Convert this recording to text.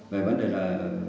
về vấn đề là